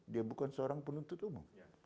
dia bukan seorang penuntut umum